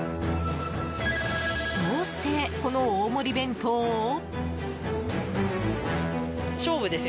どうして、この大盛り弁当を？